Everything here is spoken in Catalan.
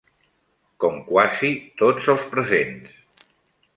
Com quasi tots els presents